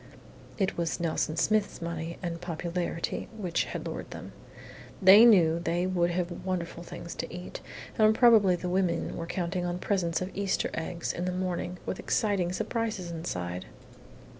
It was Nelson Smith's money and popularity which had lured them. They knew they would have wonderful things to eat, and probably the women were counting on presents of Easter eggs in the morning with exciting surprises inside!